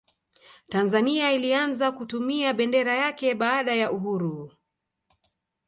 tanzania ilianza kutumia bendera yake baada ya uhuru